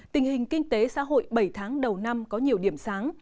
tình hình kinh tế xã hội bảy tháng đầu năm có nhiều điểm sáng